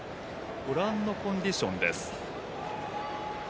ご覧のコンディションです。